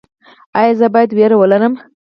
ایا زه باید ویره ولرم؟